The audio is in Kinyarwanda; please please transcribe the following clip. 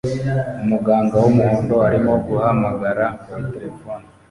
Umuganga wumuhondo arimo guhamagara kuri terefone